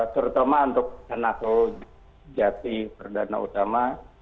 terutama untuk anako jati perdana utama